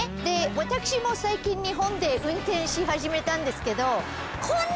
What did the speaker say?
私も最近日本で運転し始めたんですけど。